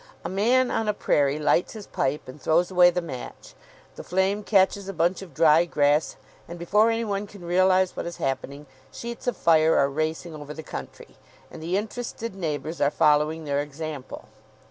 A man on a prairie lights his pipe, and throws away the match. The flame catches a bunch of dry grass, and, before any one can realise what is happening, sheets of fire are racing over the country; and the interested neighbours are following their example.